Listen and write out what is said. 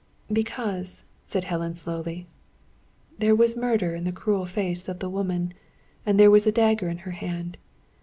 "Because," said Helen, slowly, "there was murder in the cruel face of the woman, and there was a dagger in her hand.